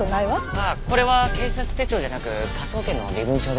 ああこれは警察手帳じゃなく科捜研の身分証です。